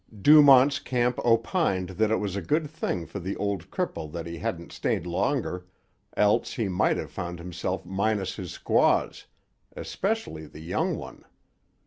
Dumont's Camp opined that it was a good thing for the old cripple that he hadn't stayed longer, else he might have found himself minus his squaws, especially the young one.